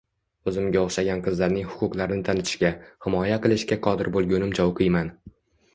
O`zimga o`xshagan qizlarning huquqlarini tanitishga, himoya qilishga qodir bo`lgunimcha o`qiyman